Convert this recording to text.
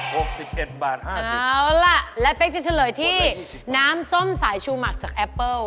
หกสิบเอ็ดบาทห้าสิบเอาล่ะและเป๊กจะเฉลยที่น้ำส้มสายชูหมักจากแอปเปิ้ล